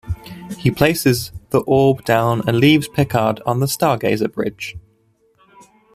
He places the orb down and leaves Picard on the "Stargazer" bridge.